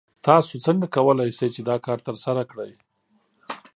تاسو څنګه کولی شئ چې دا کار ترسره کړئ؟